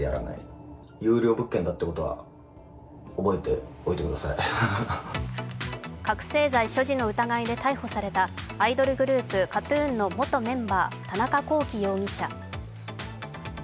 覚醒剤所持の疑いで逮捕されたアイドルグループ・ＫＡＴ−ＴＵＮの元メンバー・田中聖容疑者。